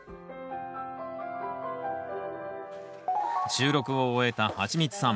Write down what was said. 収録を終えたはちみつさん。